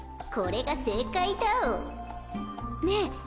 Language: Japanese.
これが正解だお！ねぇ